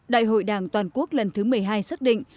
đại hội đảng toàn quốc lần thứ một mươi hai xác định